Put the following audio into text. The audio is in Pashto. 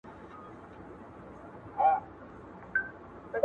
دوويشتمه نکته.